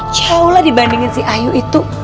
jauh lah dibandingin si ayu itu